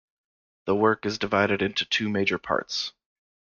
The work is divided into two major parts.